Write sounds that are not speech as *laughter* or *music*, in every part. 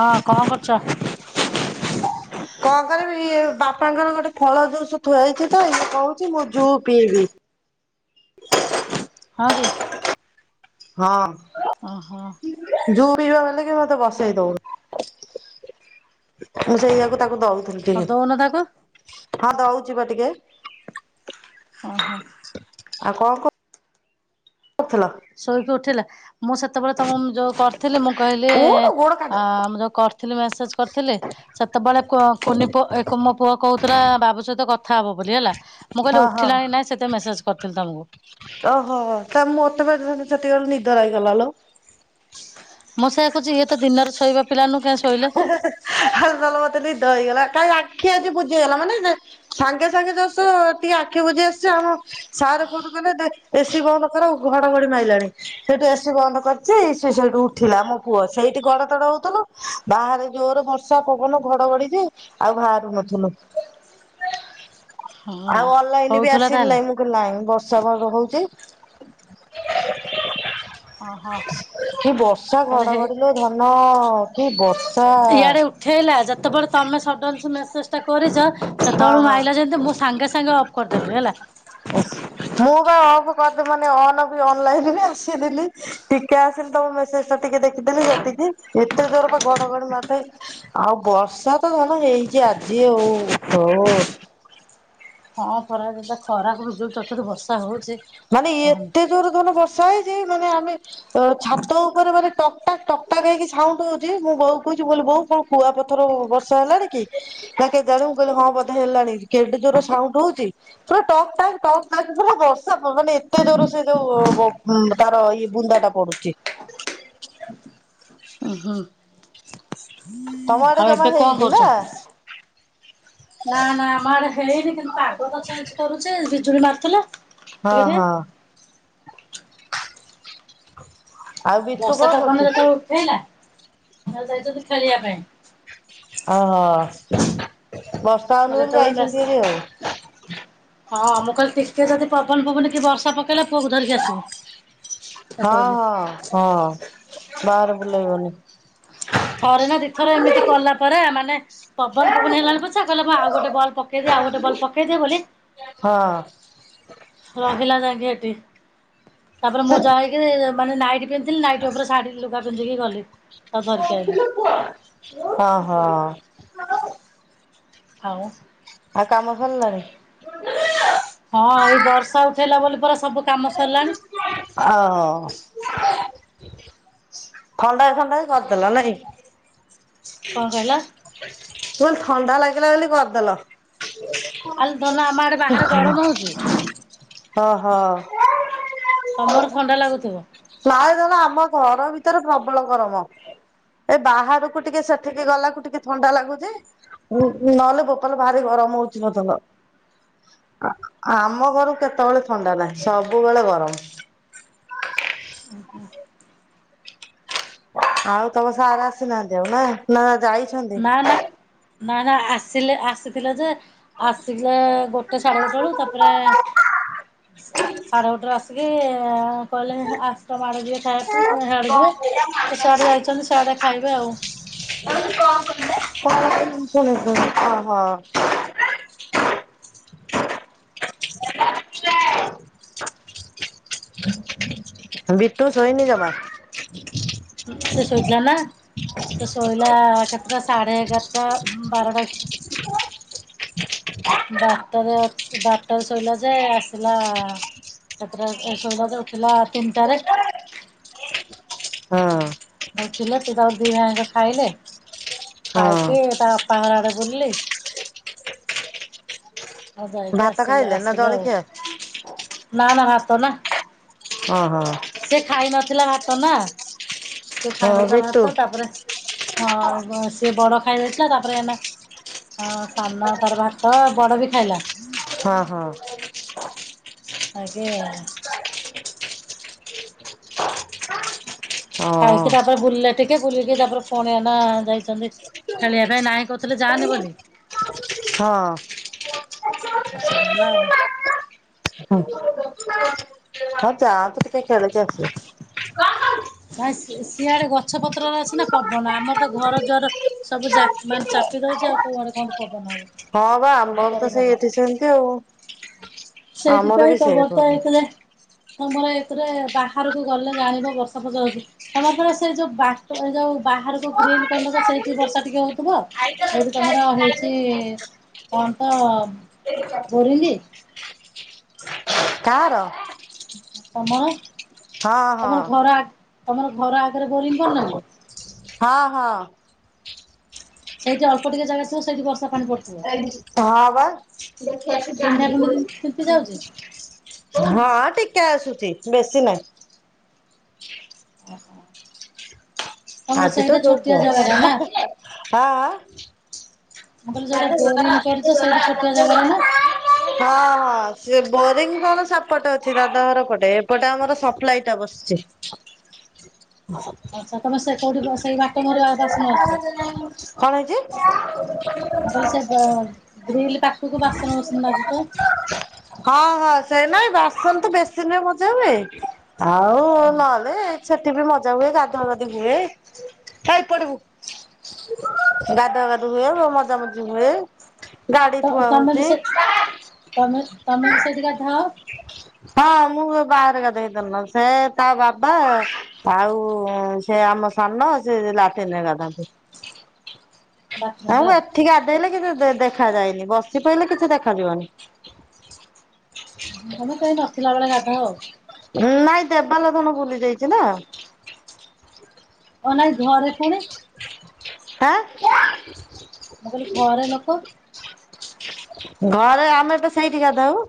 ହଁ କଣ କରୁଚ? କଣ କରିବି ଏ ବାପାଙ୍କର ଗୋଟେ ଫଳ ଜୁଉସୁ ଥୁଆ ହେଇଚି ତ ଇଏ କହୁଚି ମୁଁ ଜୁ ପିଇବି। ହଁ କି? ହଁ ଓହୋ ଜୁ ପିଇବ ବଲିକି ମତେ ବସେଇ ଦଉନି। ମୁଁ ସେଇଆକୁ ତାକୁ ଦଉଥିଲି ହଁ ଟିକେ। ଦଉନ ତାକୁ ହଁ ଦଉଚି ବା ଟିକେ। ହଁ ହଁ। ଆଉ କଣ କ କରୁଥିଲ? ଶୋଇକି ଉଠିଲା। ମୁଁ ସେତେବେଳେ ତମ ଯୋଉ କରିଥିଲି ମୁଁ କହିଲି ଉଠୁ ଗୋଡ କାଟ। ଆ ଆମର କ ଥିଲେ ମେସେଜ୍ କରିଥିଲେ? ସେତେବେଳେ କୂଅ କୁନି ପୁଅ ଏ ମୋ ପୁଅ କହୁଥିଲା ବାବୁ ସହିତ କଥା ହବ ବୋଲି ହେଲା। ମୁଁ ହଁ କହିଲି ହଁ ଉଠିଲାଣି ନାଇଁ ସେତେବେଳେ ମେସେଜ୍ କରିଥିଲି ତମକୁ। ଓହୋ ତା ମୁଁ ମତେବେଳେ ସେଠି କି ବେଳେ ନିଦ ଲାଗି ଗଲା ଲୋ। ମୁଁ ସେଇଆ କୁହୁଚି ଇଏ ତ ଦିନରେ ଶୋଇବା ପିଲା ନୁହ କେ ଶୋଇଲା। ଭାଲାଲ ମତେ ନିଦ ହେଇଗଲା। କାଁ ଆଖି ଆଜି ବୁଝେଇଗଲା ମାନେ ସେ ସାଙ୍ଗେ ସାଙ୍ଗେ ଯସ ଟିକେ ଆଖି ବୁଜି ଆସିଚି ଆମ ସର୍ ଫୋନ୍ କଲେ ଏସିି ବନ୍ଦ କର ଘଡଘଡି ମାଇଲାଣି। ସେଇଠୁ ଏସି ବନ୍ଦ କରିଚ। ସେ ସେଇଠୁ ଉଠିଲା ମୋ ପୁଅ ସେଇଠି ଗଡ ତଡ ହଉଥୁଲା ବାହାରେ ଜୋର ଷା ପବନ ଘଡଘଡି ଯେ ଆଉ ବାହାରୁ ନଥିଲୁ। ହୁଁ ଆଉ ଅନଲାଇନ ବି ହଉଥିଲା ଆସିଲି ତାହେଲେ ନାଇଁ ମୁଁ। ନାଇଁ ବର୍ଷା ଭଗ ହଉଚି। ହ ହଁ। କି ବର୍ଷା ଘଡଘଡିଲୋ ଧନ କି ବର୍ଷା। ଇଆଡେ ଉଠେଇଲା ଯେତେବେଳେ ତମେ ସଡନ୍ ସେ ମେସେଜ୍ ଟା କରିଚ ହଁ ସେତେବେଳେ ମୁଁ ହଁ ଆଇଲା ଯେମିତି ମୁଁ ସାଙ୍ଗେ ସାଙ୍ଗେ କରଥିଲି ହେଲା। ବାସ ମୁଁ ବା ଅଫ କରିଦେ ମାନେ ଅନ ବି ଅନଲାଇନ ବି ଆସିଲିନି। ଟିକେ ଆସିଲେ ତମ ମେସେଜ ଟା ଟିକେ ଦେଖିଦେଲି ସେତିକି ଏତେ ଜୋର ପା ଘଡଘଡି ମାରୁଥାଏ। ଆଉ ବର୍ଷା ତ ଛାଡ଼ ହେଇଚି ଆଜି ଆଉ ହଉ। ହଁ ପରା ଯେମିତିଆ ଖରାକୁ ବି ଯୋଉ ଚଡ ଚଡ଼ି ବର୍ଷା ହଉଚି। ମାନେ ଏତେ ଜୋର ଧନ ବର୍ଷା ହେଇଚି ମାନେ ଆମେ ଅ ଛାତ ଉପରେ ମାନେ ଟ ଟକ୍ ଟାକ ହେଇକି ସାଉଣ୍ଡ ହଉଚି ମୁଁ ବୋଉ କହୁଚି ମୁଁ କହିଲି ବୋଉ କଣ କୁଆ ପଥର ବର୍ଷା ହେଲାଣି କି? ନା କେ ଜାଣି କହିଲି ହଁ ବୋଧେ ହେଲାଣି କେଡେ ଜୋରେ ସାଉଣ୍ଡ ହଉଚି। ପୁରା ଟକ୍ ଟାକ୍ ଟକ୍ ଟାକ୍ ପୁରା ବର୍ଷ ବର୍ଷା ପବନ ଏତେ ଜୋରରେ ସେ ଯୋଉ ତାର ଇଏ ବୁନ୍ଦା ଟା ପଡୁଚି। ଉଁ ହୁଁ। ତମ ଆଡେ ଆଉ ଜମା ଏବେ କଣ ହେଇନି ନା କରୁଚ? ନା ନା ଆମ ଆଡେ ହେଇନି କିନ୍ତୁ ପାଗ ତ ଚେଞ୍ଜ କରୁଚି ବିଜୁଳି ମାରୁଥିଲା। ହଁ ହଁ। ଆଉ ବିଟୁ ବର୍ଷା କଣ ପବନରେ କରୁଛି ଯେତେବେଳେ ଉଠେଇଲା ଯାଇଚନ୍ତି ଖେଳିବା ପାଇଁ। ଓହୋ ବସ୍ ମୋ ଯେତେବେଳେ ମେସ ହଁ ମୁଁ କହିଲି ଟିକେ ଯଦି ପବନ ପବୁନି କି ବର୍ଷା ପକେଇଲା ପୁଅକୁ ଧରିକି ଆସିବୁ। ତ ହଁ କହିଲେ ହଁ ହଁ ବାହାରେ ବୁଲେଇବନି। ଥରେ ନା ଦିଇ ଥର ଏମିତି କଲା ପରେ ମାନେ ପବନ ପବନ ହେଲାଣି ପଛା କହିଲା ମୁଁ ଆଉ ଗୋଟେ ବଲ ପକେଇଦିଏ ଆଉ ଗୋଟେ ବଲ ପକେଇଦିଏ ବୋଲି ହଁ। ରହିଲା ଯାଇକି ସେଠି, ତାପରେ ମୁଁ ଯାଇକିରି-ଇ- ଇ-ଇ ମାନେ ନାଇଟି ପିନ୍ଧିଥିଲି ନାଇଟ୍ ଉପରେ ଶାଢ଼ୀ ଲୁଗା ପିନ୍ଧିକି ଗଲି। ତାକୁ ଧରିକି ଆଇଲି *unintelligible* ଓ ହଁ। ଆଉ ଆଉ କାମ ସରିଲାଣି? ହଁ ଏଇ ବର୍ଷା ଉଠେଇଲା ବୋଲି ପରା ସବୁ କାମ ସରିଲାଣି। ଓହୋ। ଥଣ୍ଡା ଥଣ୍ଡା କରିଦେଲ ନାଇଁ? ମୁଁ କଣ କହିଲ କହିଲି ଥଣ୍ଡା ଲାଗିଲା ବୋଲି କରିଦେଲ। ଆଲୋ ଧନ ଆମ ଆଡେ ବାହାରେ ଗରମ ହଉଛି। ଓ ହୋ। ତମର ଥଣ୍ଡା ଲାଗୁଥିବ? ନାଇ ଧନ ଆମ ଘର ଭିତରେ ପ୍ରବଳ ଗରମ। ଏ ବାହାରକୁ ଟିକେ ସେଠିକି ଗଲାକୁ ଟିକେ ଥଣ୍ଡା ଲାଗୁଛି। ଉ ନହେଲେ ବୋପା ଲୋ ଭାରି ଗରମ ହଉଛି ଲୋ ଧନ। ଆ-ଆ ଆମ ଘରୁ କେତେବେଳେ ଥଣ୍ଡା ନାହିଁ ସବୁବେଳେ ଗରମ। ଆଉ ତମ ସାର ଆସିନାହାନ୍ତି ଆଉ ନା ନା ଯାଇ ନା ନା ନା ନା ଆସିଲେ ଆସିଥିଲେ ଯେ ଆସିିଲେ-ଏ-ଏ ଗୋ ଟେ ସାଢ଼େ ଗୋଟେ ବେଳକୁ ତାପରେ-ଏ-ଏ ସା ସାଢେ ଗୋଟରେ ଆସିକି-ଇ-ଇ-ଇ କହିଲେ ଆଶ୍ରମ ଆଡେ ଯିବେ ଓହୋ ଖାଇବାକୁ ଆ-ଆ ଆଡେ ଯିବେ ତ ସିଆଡେ ଯାଇଛନ୍ତି ସିଆଡେ ଖାଇବେ ଆଉ। *unintelligible* ହଁ ହଁ। ବିଟୁ ଶୋଇନି ଜମା? ସେ ଶୋଇଥିଲା ନା। ସେ ଶୋଇଲା-ଆ-ଆ କେତେଟା ସାଢେ ଏଗାରଟା ବାରଟା ବାରଟାରେ ଅଛି ବାରଟାରେ ଶୋଇଲା ଯେ-ଏ-ଏ ଆସିଲା-ଆ-ଆ-ଆ ଏତେଟାରେ ଏ ଶୋଇଲା ଯେ ଉଠିଲା-ଆ-ଆ ତିନିଟାରେ। ହଁ। ଉଠିଲେ ତୁ ତାର ଦି ଭାଇଙ୍କ ଖାଇଲେ ହଁ ଖାଇକି ତା ଅପା ଘର ଆଡେ ବୁଲିଲେ। ଆଉ ଯାଇକି ଭାତ ଆସିଲା ଖାଇଲେ ନା ଆସିଲେ ଆଉ, ଜଳଖିଆ ନା ନା ଭାତ ନା। ଓ ହୋ। ସେ ଖାଇ ନଥିଲା ଭାତ ନା, ସେ ହଁ ଖାଇ ହଁ ନଥିଲା ବିଟୁ ଭାତ ତାପରେ ହଁ ବ ସିଏ ବଡ ଖାଇ ଦେଇଥିଲା ତାପରେ ଏନା ହଁ ସାନ ତାର ଭାତ ବଡ ବି ଖାଇଲା। ହଁ ହଁ। ଆଗେ-ଏ-ଏ ହଁ। ଖାଇକି ତାପରେ ବୁଲିଲେ ଟିକେ ବୁଲିକି ତାପରେ ପୁଣି ଏଇନା-ଆ ଯାଇଛନ୍ତି ଖେଳିଆ ପାଇଁ ନାଇଁ କରୁଥିଲେ ଯାଆନି ବୋଲି ହଁ। ଆଉ ସେ ହୁଁ ଗଲା ଆଉ। ହ ଯାଆନ୍ତୁ ଟିକେ ଖେଳିକି ଆସିବେ। ନାଇଁ ସି ସିଆଡେ ଗଛ ପତ୍ର ଅଛି ନା ପବନ ଆମର ତ ଘର ଯୁଆର ସବୁ ଯା ମାନ ଚାପି ଦଉଛି ଆଉ କୁଆଡେ କଣ? ପବନ ହବ ହଁ ବା ସବୁ ଆମର କରେ ତ ଘର। ସେଇ ଏଠି ସେମିତି ଆଉ। ଆମର ସେଇଥିପାଇଁ ବି ସେଇ ପ୍ରୋବ୍ଲେମ୍। *unintelligible* ତମର ଏଥିରେ ବାହାରକୁ ଗଲେ ଜାଣିବ ବର୍ଷା ଫର୍ଷା ହଉଚି। ତମର ପରା ସେ ଯୋଉ ବାଟ ଆଉ ଯାଉ ବାହାରକୁ ଗ୍ରିଲ ଖଣ୍ଡକ ସେଇଠି ବର୍ଷା ଟିକେ ହଉଥୁବ। ଯୋଉଠି ତମର ହେଇଛି କଣ ତ ବୋରିଙ୍ଗି? କାହାର? ତମର ହଁ ହଁ ତମର ଘର ଆଗ ତମର ଘର ଆଗରେ ବୋରିଙ୍ଗ କରି ନ କି? ହଁ ହଁ। ସେଇଠି ଅଳ୍ପ ଟିକେ ଜାଗା ତ ସେଠି ବର୍ଷା ପାଣି ପ ଏଇଠି ହଁ ବା ଦେଖିବାକୁ ପିଣ୍ଡା ଯାଆନ୍ତି ପିଣ୍ଡି କୋଉଠି? ତିନ୍ତି ଯାଉଛି। ହଁ ଟିକେ ଆସୁଛି ବେଶୀ ନାଇଁ। ଓହୋ। ଆଜି ତ ଯୋଗ *unintelligible* ଆ ଆ ମୁଁ କହିଲି *unintelligible* ହଁ ଯୋଉଟା ବୋରିଂ କରିଛ ସେଇଠି ଛୋଟିଆ ଜାଗାଟା ନା। ସିଏ ବୋରିଙ୍ଗ୍ କଣ ସେପଟେ ଅଛି ଦାଦାଘର ପଟେ ଏପଟେ ଆମର ସପ୍ଲାଇ ଟା ବସିଛି। *inaudible* ଆଚ୍ଛା ତମେ ସେ କୋଉଠି ସେଇ ବାଟ ମୁହଁରୁ ବାସନ ମାଜୁଛ। *unintelligible* କଣ ହେଇଚି? ମୁଁ କହିଲି ସେ ଗ୍ରିଲ ପାଖକୁ ବାସନ କୁସନ ମାଜୁଚ। ହଁ ହଁ ସେ ନାଇଁ ବାସନ ତ ବେସିନ୍ ରେମଜା ହୁଏ। ଆଉ ନଏନେ ସେଠି ବି ମଜା ହୁଏ ଗାଧୁଆ ଗାଧି ହୁଏ। ହେଏ ପଡିବୁ ଗାଧୁଆ ଗାଧୁ ହୁଏ ମଜା ମଜି ହୁଏ। ଗାଡି ତ ଥୁଆ ତମେ ବି ହଉଛି ସେ ତମେ ତମେ ବି ସେଇଠି ଗାଧାଅ? ହଁ ମୁଁ ବାହାରେ ଗାଧାଏ ଜଲନଲ ସେ ତା ବାବା ଆଉ ସେ ଆମ ସାନ ସେ ଲାଟିନରେ ଗାଧାନ୍ତି। ବାଥରୁମ ଆଉ ରେ ମୁଁ ଏଠି ଗାଧେଇଲେ କିଛି ଦେ ଦେଖା ଯାଇନି ବସି ପଇଲେ କିଛି ଦେଖାଯିବନି। ତମେ କେହି ନଥିଲା ବେଳେ ଗାଧାଅ। ନାଇଁ ଦେବାଲ ଧନ ବୁଲି ଯାଇଛି ନା? ଓ ନାଇ ଘରେ ପୁଣି ଆଁ। ମୁଁ କହିଲି ଘରେ ଲୋକ? ଘରେ ଆମେ ତ ସେଇଠି ଗାଧାଉ।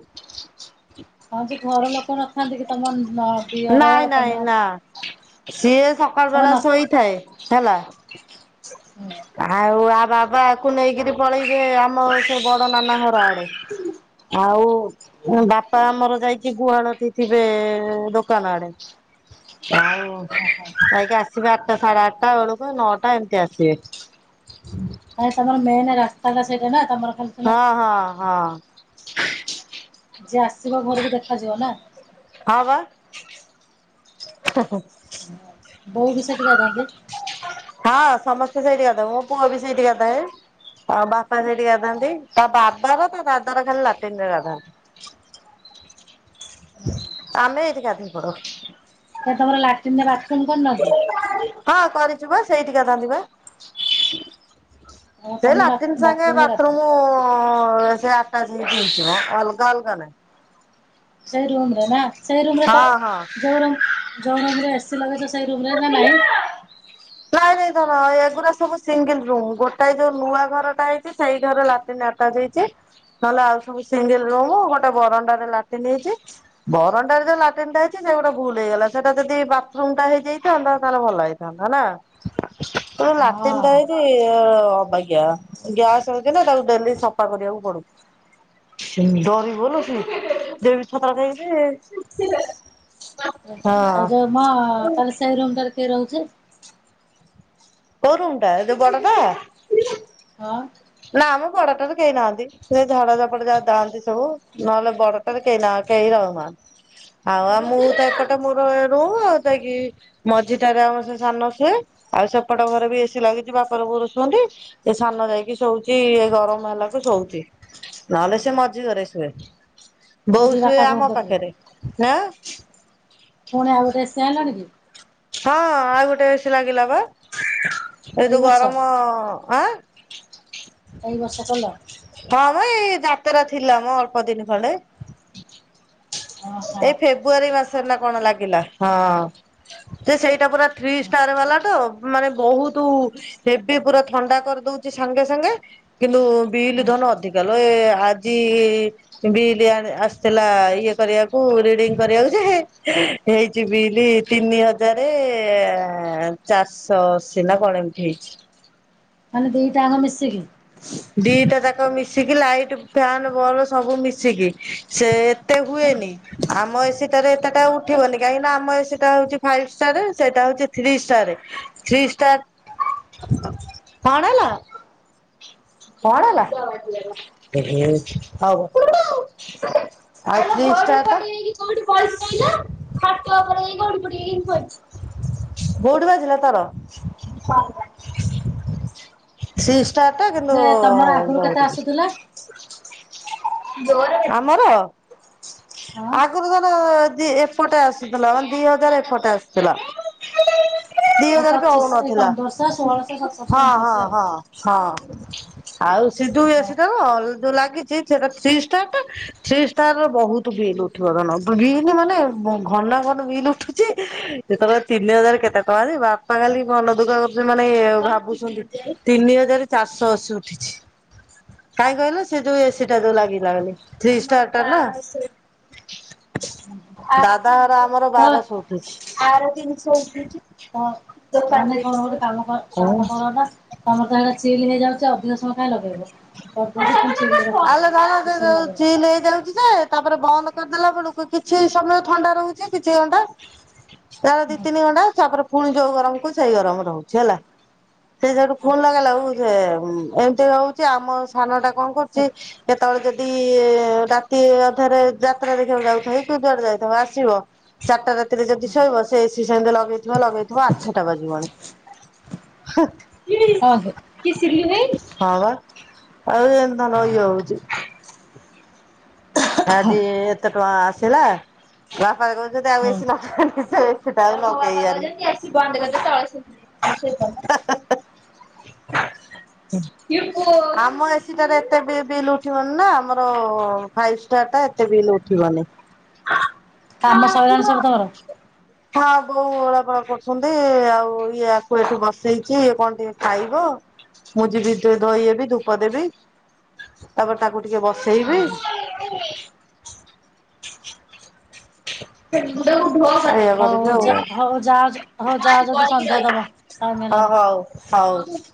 ହଁ ଯେ ଘର ଲୋକ ନଥାନ୍ତି କି ତମ ନ ଦିଅର ନାଇଁ ନାଇଁ ତମ ନା ସିଏ ସକାଳ ତମ ବେଳା ନ ଶୋଇଥାଏ ହେଲା। ହୁଁ ଆଉ ଆ ବାବାକୁ ନେଇକିରି ପଳେଇବେ ଆମ ସେ ବଡ଼ ନନା ଘର ଆଡ଼େ। ଆଉ ହଁ ବାପା ଆମର ଯାଇକି ଗୁହାଳ ଟି ଥିବେ, ଦୋ କାନ ଆଡ଼େ। ଆଉ ଓହୋ। ଯାଇକି ଆସିବେ ଆଟଟା ସାଢ଼େ ଆଟଟା ବେଳକୁ ନଅଟା ଏମିତି ଆସିବେ। *unintelligible* ନାଇଁ ତମର ମେନ୍ ରାସ୍ତାଟା ସେଇଟା ନା ତମର ଖାଲି ସିନା ହଁ ହଁ ହଁ। ଯିଏ ଆସିବ ଘରକୁ ଦେଖାଯିବ ନା। ହଁ ବା। *unintelligible* ବୋଉ ବି ସେଟି ଗାଧାନ୍ତି। ହଁ ସମସ୍ତେ ସେଇଠି ଗାଧୋଉ ମୋ ପୁଅ ବି ସେଇଠି ଗାଧାଏ। ଆଉ ବାପା ସେଠି ଗାଧାନ୍ତି ତା ବାପାର ତା ଦାଦାର ଖାଲି ଲାଟିନିରେ ଗାଧା। ଆମେ ଏଇଠି ଗାଧେଇପଡୁ। କାଇଁ ତମର ଲାଟିନରେ ବାଥରୁମ କରିନ? ହଁ କରିଛୁ ବା ସେଇଠି ଗାଧାନ୍ତି ବା ଓ ସେ ତମେ ବା ଲାଟିନ୍ ସାଙ୍ଗେ ରେ ଗାଧାଅ। ବାଥରୁମ ସେ ଆଟାଚ ହେଇକିି ହେଇଚି ମ। ଅଲଗା -ଅଲଗା ନାହିଁ। ସେଇ ରୁମରେ ନା ସେଇ ରୁମ ରେ ତ ହଁ ତୋର ଯୋଉ ରୁମରେ ଏସି ଲଗେଇଛ ସେଇ ରୁମରେ ନା ନାହିଁ। ହ *unintelligible* ନାଇଁ ନାଇଁ ଧର ଏଗୁଡ଼ା ସବୁ ସିଙ୍ଗଲ ରୁମ ଗୋଟାଏ ଯୋଉ ନୂଆ ଘରଟା ହେଇଛି ସେଇ ଘରେ ଲାଟିନ ଆଟାଜ ହେଇଛି ନହେଲେ ଆଉ ସବୁ ସିଙ୍ଗଲ ରୁମ ଗୋଟେ ବରଣ୍ଡାରେ ଲାଟିନ ହେଇଛି ତ ବରଣ୍ଡାରେ ଯୋଉ ଲାଟିନଟା ହେଇଛି ସେଇଠୁ ଭୁଲ ହେଇଗଲା ସେଟା ଯଦି ବାଥରୁମଟା ହେଇ ହେଇଥାନ୍ତା ତାହେଲେ ଭଲ ହେଇଥାନ୍ତା ନା ହଁ। ଲାଟିନଟା ହେଇ ଅବାଗ୍ୟା ଗ୍ୟାସ ହଉଛି ନା ତାକୁ ଡେଲି ସଫା କରିବାକୁ ପଡୁଛି। ଡରିଵ ଲୋ ଦେବି! ! ! ! ! ! ! ! ! ! ଯେ ହଁ ଯୋଉ ନୂଆ ତାହଲେ ସେଇ ରୁମଟାରେ କିଏ ରହୁଛି? କୋଉ ରୁମଟା ଯୋଉ ବଡ଼ ଟା? ହଁ। ନା ମ ବଡ଼ଟାରେ କେହି ନାହାନ୍ତି। ସେ ଝାଡ଼ା ଝପ୍ଡ଼ ଯାହା ଯାଆନ୍ତି ସବୁ ନହେଲେ ବଡ଼ଟାରେ କେହି ନା କେହି ରହୁନାହାନ୍ତି? ଆଉ -ଆଉ ମୁଁ ତ ଏପଟେ ମୋର ରୁହ ଆଉ ଯାଇକି ମଝିଟାରେ ଆମ ସେ ସାନ ଶୁଏ ଆଉ ସେପଟ ଘରେ ବି ଏସି ଲାଗିଛି ବାପର ବୋଉର ଶୁଅନ୍ତି। ଏ ସାନ ଯାଇକି ଶୋଉଛି ଏ ଗରମ ହେଲାକୁ ଶୋଉଛି ନହେଲେ ସେ ମଝି ଘରେ ଶୁଏ। ବୋଉ କୋଉଠି ଶୁଏ ବାପା ବୋଉ ଆମ କତିରେ। ପାଖରେ ନା ପୁଣି ଆଉ ଗୋଟେ ଏସି ଆଣିଲଣି କି? ହଁ ଆଉ ଗୋଟେ ଏସି ଲାଗିଲା ବା ଏ ଏଇ ଯୋଉ ବର୍ଷ ଗରମ ଆଁ ଏଇ ବର୍ଷ କଲ ହଁ ମ ଏଇ ଯାତ୍ରା ଥିଲା ମ ଅଳ୍ପ ଦିନ ଖଣ୍ଡେ ଓହୋ। ଏଇ ଫେବୃଆରୀ ମାସରେ ନାଁ କଣ ଲାଗିଲା ହଁ। ସେ ସେଇଟା ପୁରା ଥ୍ରୀ ଷ୍ଟାର ବାଲା ତ ମାନେ ବହୁତ ହେବି ପୁରା ଥଣ୍ଡା କରିଦଉଛି ସାଙ୍ଗେ ସାଙ୍ଗେ କିନ୍ତୁ ବିଲ ହଁ ଧନ ଅଧିକାଲୋ ଏ ଆଜି ବିଲ ଆଣି -ଆସିଥିଲା ଇଏ କରିବାକୁ ରିଡିଙ୍ଗ କରିବାକୁ ଯେ ହେଇଛି ବିଲି ତିନି ହଜାରେ ଚାରିଶହ ଅଶି ନା କଣ ଏମିତି ହେଇଛି? ମାନେ ଦିଟା ଆଙ୍କ ମିଶିକି? ଦିଟା ଯାକ ମିଶିକି ଲାଇଟ୍ ଫ୍ୟାନ ବଲ୍ ସବୁ ମିଶିକି ସେ ଏତେ ହୁଏନି। ଆମ ଏସିଟାରେ ଏତେଟା ଉଠିବନି କାହିଁକି ନା ଆମ ଏସିଟା ହଉଛି ଫାଇପ ଷ୍ଟାର ସେଇଟା ହଉଛି ଥ୍ରୀ ଷ୍ଟାରେ। ଥ୍ରୀ ଷ୍ଟାର୍ କଣ ହେଲା? କଣ ହେଲା ହଉ। ଏ ଥ୍ରୀ ଷ୍ଟାରଟା କୋଉଠି ବାଜିଲା ତାର? ଥ୍ରୀ ଷ୍ଟାର୍ ଟା କିନ୍ତୁ ଯେ ତମର ଆଗରୁ କେତେ ଆସୁଥିଲା *inaudible* ଆମର ହଁ। ଆଗରୁ ଧର ଏପଟେ ଆସିୁଥିଲା ମାନେ ଦି ହଜାର ଏପଟେ ଆସୁଥିଲା। ଦି ଆଉ ହଜାରେ ବି ପଚିଶ ଏଇ ହଉନଥିଲା ପନ୍ଦରଶହ ଷୋହଳଶହ ସତରଶହ ହଁ ଏମିତି ଆସେ ହଁ ଆଉ ହଁ। ହଁ। ଆଉ ସେ ଯୋଉ ଓହୋ ଏସି ଟା ର ଲ ଯୋଉ ଲାଗିଛି ସେଟା ଥ୍ରୀ ଷ୍ଟାର ଟା ଥ୍ରୀ ଷ୍ଟାର ବହୁତ ବିଲ୍ ଉ ଉଠିବ ଧନ ବିଲ ମାନେ ଘନ ଘନ ବିଲ୍ ଉଠୁଛି ଯେତେବେଳେ ତିନି ହଜାର କେତେ ଟଙ୍କାଯେ ବା ବାପା ଖାଲି ମନ ଦୁଃଖ କରୁଛନ୍ତି ମାନେ ଏଭାବୁଛନ୍ତି ତିନି ହଜାରେ ଚାରିଶହ ଅଶୀ ଉଠିଛି। କାଇଁ କହିଲ ସେ ଯୋଉ ଏସି ଟା ଯୋଉ ଲାଗିଲା ବୋଲି ଥ୍ରୀ ଷ୍ଟାର ଟା ନା? ଦାଦା ହର ଆମର ତ ବାରଶହ ଉଠିଛି ଆର ତିନିଶହ ଉଠିଛି। ତ ଦୋକାନ ମାନେ କଣ ଦେଇଥିଲି। ଗୋଟେ କାମ କର କାମ କର ନା ତମର ତ ସେଇଟା ଚିଲ୍ ହେଇଯାଉଛି ଅଧିକ ସମୟ କାଇଁ ଲଗେଇବ କରିଦେଇକି ଫୁଣି ଚିଲରେ ରଖିଦେବ ବେସିସମୟ ଲଗେଇବନି। ନେଇଯାଉଛି। ଯେ ତାପରେ ବନ୍ଦ କରିଦେଲା ବେଳକୁ କିଛି ସମୟ ଥଣ୍ଡା ରହୁଛି କିଛି ଘଣ୍ଟା ତାର ଦି ହୁଁ। ତିନି ଘଣ୍ଟା ତାପରେ ପୁଣି ଯୋଉ ଗରମ କୁ ସେଇ ଗରମ ରହୁଛି ହେଲା। ସେ ସେଠୁ ଫୁଣି ଲାଗେଲାକୁ ସେ ଉଁ ଏମିତି ହଉଛି ଆମ ସାନ ଟା କଣ କରୁଛି କେତେବେଳେ ଯଦି ରାତି ଅଧାରେ ଯାତ୍ରା ଦେଖିବାକୁ ଯାଉଥିବ କି ଯୁଆଡେ ଯାଇଥାଉ ଆସିବ ଚାରିଟା ରାତିରେ ଯଦି ଶୋଇବ ସେ ଏସି ସେମିତି ଲଗେଇଥିବ ଲଗେଇଥିବ ଆଠଟା ବାଜିବଣି। ହଁ *unintelligible* ଅ ହ। କିଏ ସିଲୁଭାଇସ ହଁ ବା। ଆଉ ଏମ ଧନ ଇଏ ହଉଛି। ଆଜି ଏତେ ଟଙ୍କା ଆସିଲା ବାପା କହୁଛନ୍ତି ଆଉ ହୁଁ ଏସି ଲଗାନି ସେ ଏସି ଟା ଆଉ ଲଗେଇବାନି ମୋ ବାପା କହୁଛନ୍ତି ଏସି ବନ୍ଦକରିଦେ ତଳେ ସୋଇ ପଡିବା। *inaudible* କିପୁ ଆମ ଏସିଟାରେ ଏତେ ବିଲ ବିଲ୍ ଉଠିବନି ନା ଆମର ଫାଇଭ୍ ଷ୍ଟାର ଟା ଏତେ ବିଲ ଉଠିବନି। କାମ ସଇଲାଣି ସବୁ ତମର? ହଁ ବୋଉ ଓଳା ପୋଳା କରୁଛନ୍ତି ଆଉ ଇଏ ଆକୁ ଏଠି ବସେଇଛି ଇଏ କଣ ଟିକେ ଖାଇବ। ମୁଁ ଯିବି ଟିକେ ଧୋଇ ହେବି ଧୂପ ଦେବି ତାପରେ ତାକୁ ଟିକେ ହଁ ବସେଇବି। ହଁ *unintelligible* *inaudible* ଏଇଆ ହଉ କରିବି ଯା ହଉ ଯାଅ ହଉ ଯାଅ ଯଦି ସନ୍ଧ୍ୟା ଦବ ଟାଇମ୍ ଆଉ ହ ହେଲାଣି। ହଉ। ହଉ।